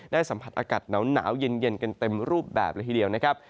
สัมผัสอากาศหนาวเย็นกันเต็มรูปแบบละทีเดียวนะครับ